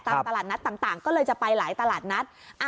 ตลาดนัดต่างก็เลยจะไปหลายตลาดนัด